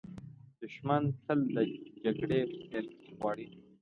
دښمن تل د جګړې پیل غواړي